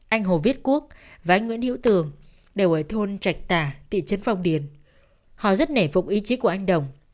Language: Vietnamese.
anh hồ viết quốc và anh nguyễn hiểu tường